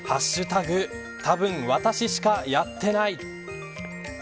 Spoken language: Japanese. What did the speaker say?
多分私しかやっていない。